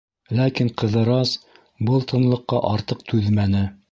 Ләкин Ҡыҙырас был тынлыҡҡа артыҡ түҙмәне.